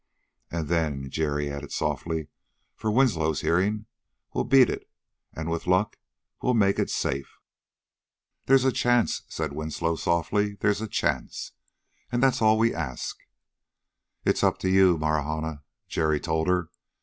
"And then," Jerry added softly for Winslow's hearing, "we'll beat it. And, with luck, we'll make it safe." "There's a chance," said Winslow softly, "there's a chance and that's all we ask." "It's up to you, Marahna," Jerry told her.